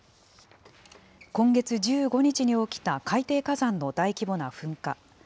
今月１５日に起きた海底火山の大規模な噴火。